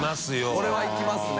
これは行きますね。